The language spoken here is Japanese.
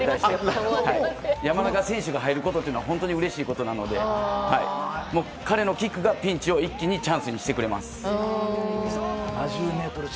山中選手が入ることはとてもうれしいことなので彼のキックがピンチを一気にチャンスにしてくれます。